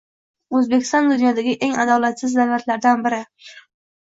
O'zbekiston dunyodagi eng adolatsiz davlatlardan biri